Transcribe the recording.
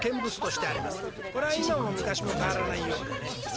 これは今も昔も変わらないようでね。